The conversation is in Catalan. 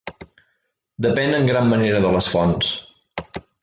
Depèn en gran manera de les fonts.